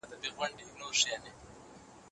ایا لوی صادروونکي وچ زردالو پروسس کوي؟